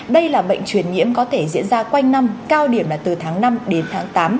đây là bệnh truyền nhiễm có thể diễn ra quanh năm cao điểm là từ tháng năm đến tháng tám